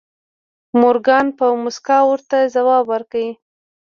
مورګان په موسکا ورته ځواب ورکړ